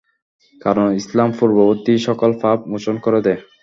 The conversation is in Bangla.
কারণ, ইসলাম পূর্ববর্তী সকল পাপ মোচন করে দেয়।